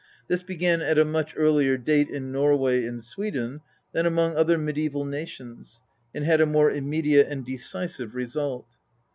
This began at a much earlier date in Norway and Sweden than among other mediaeval nations, and had a more immediate and decisive result.